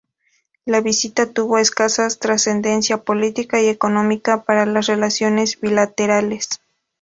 La visita tuvo escasa trascendencia política y económica para las relaciones bilaterales.